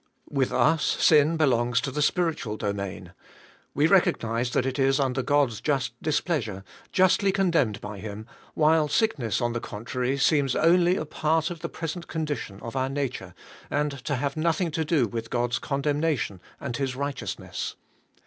With ns sia belongs to the spiritual] domain; we recognize that it is under God's just displeasure, justly condemned by Him, while sickness on the contrary, seems only a part of the present condition of our nature, and to have noth ing to do with God's condemnation and Hie righteousness.